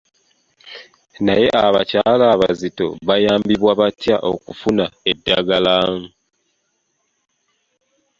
Naye abakyala abazito bayambiddwa batya okufuna eddagala?